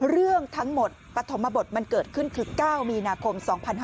เรื่องทั้งหมดปฐมบทมันเกิดขึ้นคือ๙มีนาคม๒๕๕๙